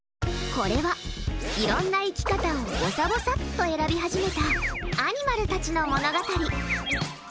これは、いろんな生き方をぼさぼさっと選び始めたアニマルたちの物語。